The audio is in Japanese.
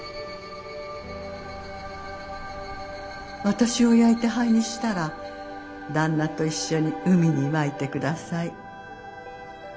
「私を焼いて灰にしたら旦那と一緒に海にまいて下さい。